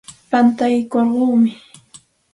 Pantaykurquumi.